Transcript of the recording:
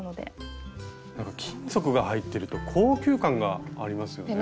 金属が入ってると高級感がありますよね。